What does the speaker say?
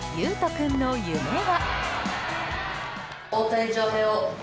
君の夢は。